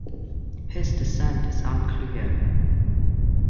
His descent is unclear.